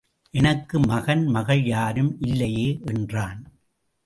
எனக்கு மகன் மகள் யாரும் இல்லையே என்றான்.